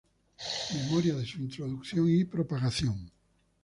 Memoria de su introducción y propagación".